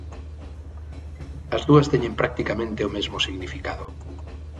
As dúas teñen practicamente o mesmo significado.